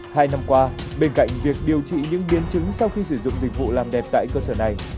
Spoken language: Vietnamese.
hai năm qua bên cạnh việc điều trị những biến chứng sau khi sử dụng dịch vụ làm đẹp tại cơ sở này